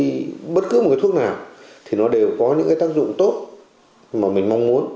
thì bất cứ một cái thuốc nào thì nó đều có những cái tác dụng tốt mà mình mong muốn